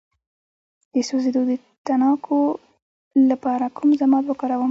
د سوځیدو د تڼاکو لپاره کوم ضماد وکاروم؟